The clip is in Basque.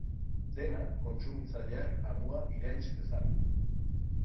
Dena kontsumitzaileak amua irents dezan.